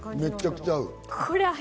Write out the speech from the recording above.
めちゃくちゃ合う！